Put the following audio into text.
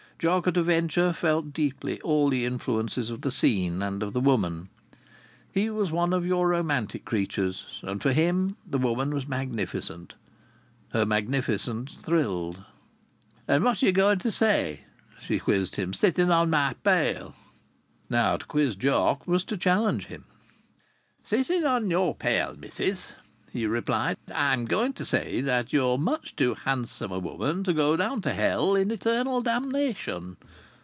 Jock at a Venture felt deeply all the influences of the scene and of the woman. He was one of your romantic creatures; and for him the woman was magnificent. Her magnificence thrilled. "And what are you going to say?" she quizzed him. "Sitting on my pail!" Now to quiz Jock was to challenge him. "Sitting on your pail, missis," he replied, "I'm going for to say that you're much too handsome a woman to go down to hell in eternal damnation."